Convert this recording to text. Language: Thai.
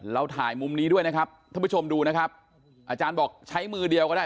เราถ่ายมุมนี้ด้วยนะครับท่านผู้ชมดูนะครับอาจารย์บอกใช้มือเดียวก็ได้